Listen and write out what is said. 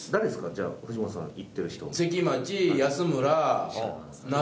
じゃあ藤本さんと行ってる人。